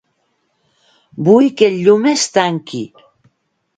Vull que el llum es tanqui.